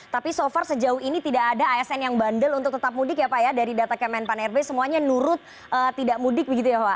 tapi so far sejauh ini tidak ada asn yang bandel untuk tetap mudik ya pak ya dari data kemenpan rb semuanya nurut tidak mudik begitu ya pak